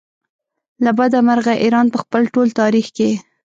له بده مرغه ایران په خپل ټول تاریخ کې.